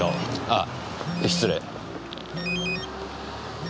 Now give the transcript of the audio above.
ああ失礼。